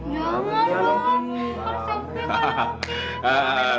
ya allah harus aku yang nanggur